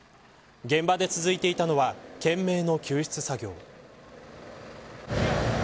現場で続いていたのは懸命の救出作業。